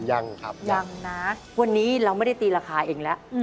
ยังครับยังนะวันนี้เราไม่ได้ตีราคาเองแล้ว